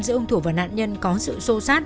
giữa hùng thủ và nạn nhân có sự sâu sát